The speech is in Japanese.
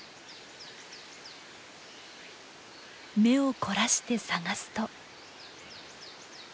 目を凝らして探すと。